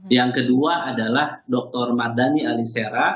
yang kedua adalah dr mardhani alisera